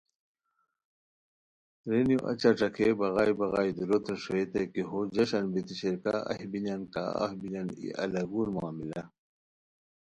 رینیو اچہ ݯاکئے بغائے بغائے دوروتین ݰوئیتائے کی بو جشن بیتی شیر کا اہی بینیان کا اف بینیان ای الاگول معاملہ